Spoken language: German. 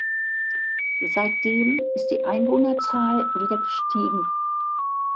Seitdem ist die Einwohnerzahl wieder gestiegen.